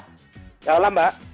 selamat malam mbak